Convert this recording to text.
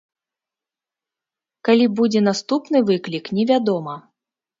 Калі будзе наступны выклік, невядома.